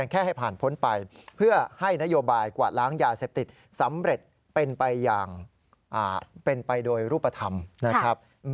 อย่าเสพติดสำเร็จเป็นไปอย่างเป็นไปโดยรูปธรรมนะครับ